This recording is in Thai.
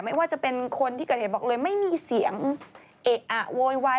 ไม่ว่าจะเป็นคนที่เกิดเหตุบอกเลยไม่มีเสียงเอะอะโวยวาย